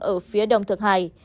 ở phía đông thượng hải